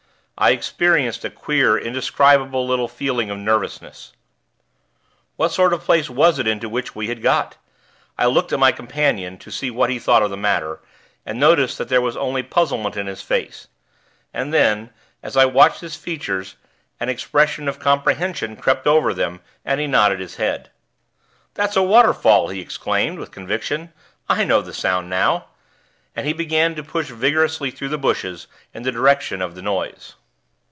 I experienced a queer, indescribable, little feeling of nervousness. What sort of place was it into which we had got? I looked at my companion, to see what he thought of the matter; and noted that there was only puzzlement in his face; and then, as I watched his features, an expression of comprehension crept over them, and he nodded his head. "That's a waterfall," he exclaimed, with conviction. "I know the sound now." And he began to push vigorously through the bushes, in the direction of the noise.